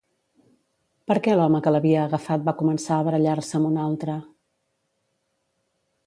Per què l'home que l'havia agafat va començar a barallar-se amb un altre?